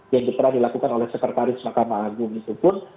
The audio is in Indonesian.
yang pernah dilakukan oleh sekretaris mahkamah agung itu pun